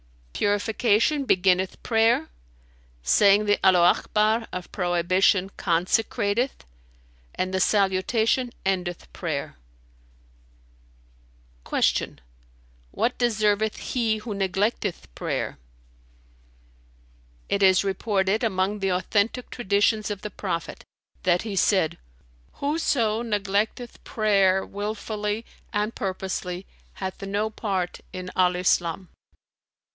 "Purification beginneth prayer, saying the Allaho Akbar of prohibition consecrateth, and the salutation endeth prayer." Q "What deserveth he who neglecteth prayer?" "It is reported, among the authentic Traditions of the Prophet, that he said, 'Whoso neglecteth prayer wilfully and purposely hath no part in Al Islam.'"